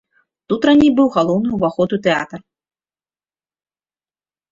Тут раней быў галоўны ўваход у тэатр.